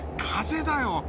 風だよ。